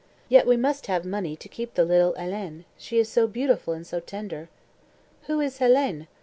Yet we must have money to keep the little Hélène. She is so beautiful and so tender." "Who is Hélène?"